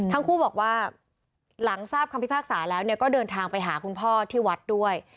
ทั้งคู่บอกว่าหลังทราบคำพิพากษาแล้วก็เดินทางไปหาคุณพ่อที่วัดด้วย